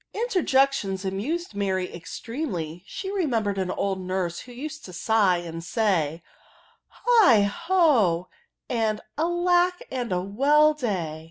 Interjections amused Mary extremely: she remembered an old nurse who used to sigh and say, '' Heigh ho !" and '^ Alack and a well a day!"